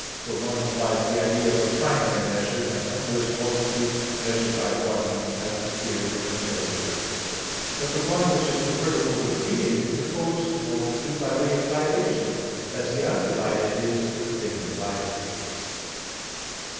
For "one" implies the idea of a primary measure; and number is multitude measured by one, as is clear from Metaph. x. But the one which is convertible with being is opposed to multitude by way of privation; as the undivided is to the thing divided.